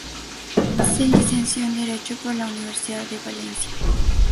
Se licenció en derecho por la Universidad de Valencia.